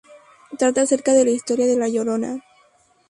Trata acerca de la historia de la llorona.